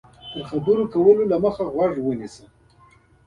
له خبرو کولو وړاندې غوږ ونیسه.